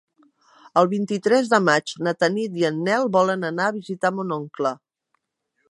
El vint-i-tres de maig na Tanit i en Nel volen anar a visitar mon oncle.